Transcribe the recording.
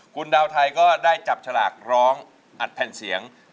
คุณดาวไทยก็ได้จับฉลากร้องอัดแผ่นเสียง